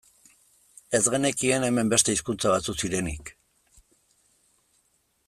Ez genekien hemen beste hizkuntza batzuk zirenik.